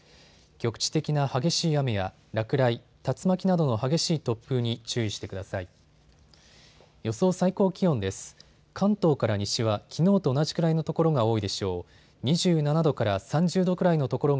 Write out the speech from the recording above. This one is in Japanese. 局地的な激しい雨や落雷、竜巻などの激しい突風に注意してください。